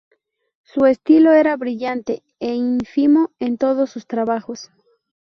Su estilo era brillante e ínfimo en todos sus trabajos.